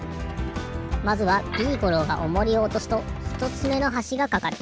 まずはビーゴローがオモリをおとすとひとつめのはしがかかる。